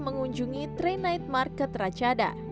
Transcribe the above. mengunjungi train night market racada